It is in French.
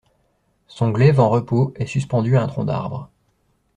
Son glaive en repos est suspendu à un tronc d'arbre.